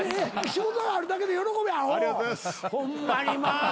ホンマにまあ。